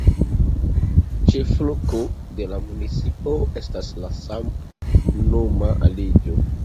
Ĉefloko de la municipo estas la samnoma vilaĝo.